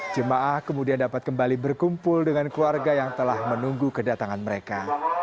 jemaah kemudian dapat kembali berkumpul dengan keluarga yang telah menunggu kedatangan mereka